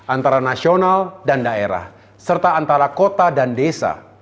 antara nasional dan daerah serta antara kota dan desa